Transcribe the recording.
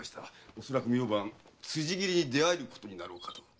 おそらく明晩辻斬りに出会えることになろうかと。